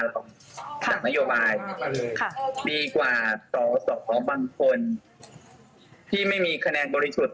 ตรงจากนโยบายดีกว่าสอสอบางคนที่ไม่มีคะแนนบริสุทธิ์